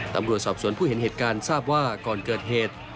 ตำรวจสอบสวนผู้เห็นเหตุการณ์ทราบว่าก่อนเกิดเหตุ